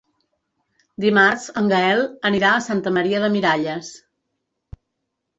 Dimarts en Gaël anirà a Santa Maria de Miralles.